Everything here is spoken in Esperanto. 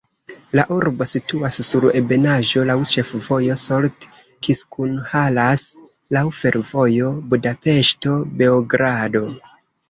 La urbo situas sur ebenaĵo, laŭ ĉefvojo Solt-Kiskunhalas, laŭ fervojo Budapeŝto-Beogrado.